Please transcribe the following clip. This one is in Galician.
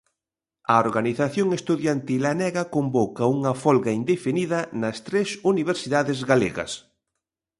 A organización estudantil Anega convoca unha folga indefinida nas tres universidades galegas.